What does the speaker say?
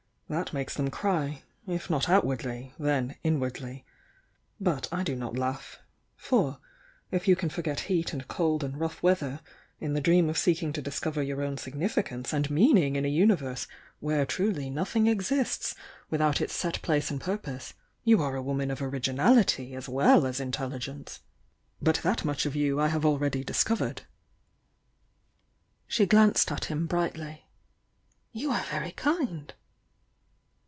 That makes them cry — if not outwardly, then inwardly. But I do not laugh, — for if you can forget heat and cold and rough weather in the dream of seeking to discover your own significance and meaning in a universe , THE YOUNG DIANA 169 where truly nothing exists without its set place and purpose, you are a woman of originality as well as intelligence. But that much of you I have already discovered." She glanced at him brightly. "You are very kind!"